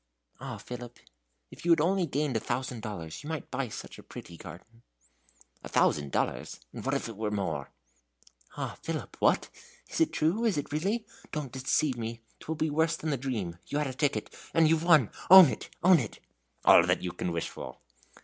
"Ah, Philip, if you had only gained a thousand dollars, you might buy such a pretty garden!" "A thousand dollars! And what if it were more?" "Ah, Philip what? is it true? is it really? Don't deceive me! 'twill be worse than the dream. You had a ticket! and you've won! own it! own it!" "All you can wish for."